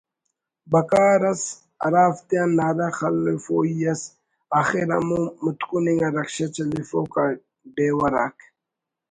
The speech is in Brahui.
بکار ئس ہرافتیان نعرہ خلفوئی ئس) آخر ہمو متکن انگا رکشہ چلیفوک آ ڈیور آک